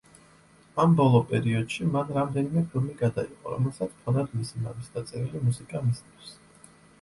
ამ ბოლო პერიოდში მან რამდენიმე ფილმი გადაიღო, რომელსაც ფონად მისი მამის დაწერილი მუსიკა მისდევს.